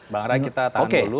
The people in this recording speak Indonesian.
bang ray kita tahan dulu